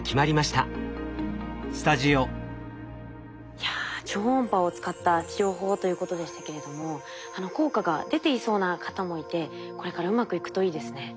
いや超音波を使った治療法ということでしたけれども効果が出ていそうな方もいてこれからうまくいくといいですね。